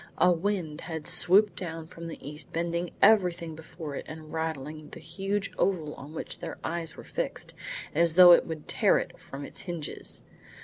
A wind had swooped down from the east, bending everything before it and rattling the huge oval on which their eyes were fixed as though it would tear it from its hinges.